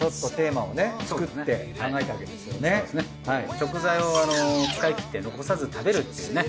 食材を使い切って残さず食べるっていうね。